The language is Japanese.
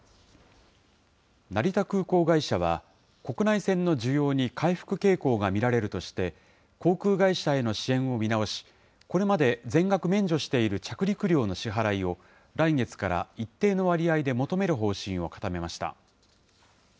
成田空港会社は、国内線の需要に回復傾向が見られるとして、航空会社への支援を見直し、これまで全額免除している着陸料の支払いを、来月から、一定の割合で求める方針を固めました。